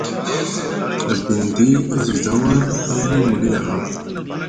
E bindi e zi zawar, e yimi muli aha.